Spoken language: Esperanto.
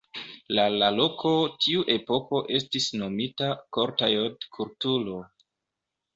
La la loko, tiu epoko estis nomita Cortaillod-kulturo.